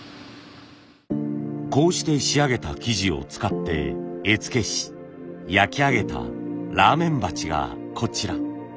こうして仕上げた素地を使って絵付けし焼き上げたラーメン鉢がこちら。